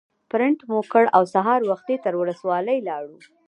پرنټ مو کړ او سهار وختي تر ولسوالۍ لاړو.